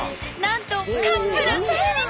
なんとカップル成立！